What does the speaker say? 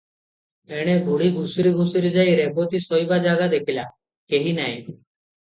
ଏଣେ ବୁଢ଼ୀ ଘୁଷୁରି ଘୁଷୁରି ଯାଇ ରେବତୀ ଶୋଇବା ଜାଗା ଦେଖିଲା, କେହି ନାହିଁ ।